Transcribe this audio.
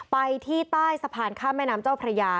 ไปที่ใต้สะพานข้ามแม่น้ำเจ้าพระยา